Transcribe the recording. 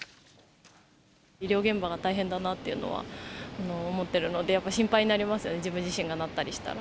医療現場が大変だなっていうのは思っているので、やっぱり心配になりますよね、自分自身がなったりしたら。